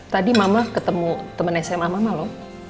tadi mama ketemu temen sma mama lho